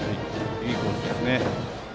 いいコースでしたね。